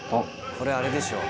これあれでしょう。